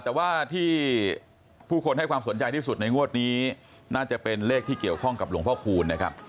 แต่ว่าที่ผู้คนให้ความสนใจที่สุดในงวดนี้น่าจะเป็นเลขที่เกี่ยวข้องกับหลวงพ่อคูณนะครับ